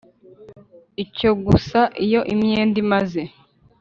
icyo gusa Iyo imyenda imaze